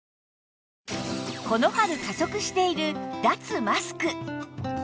この春加速している脱マスク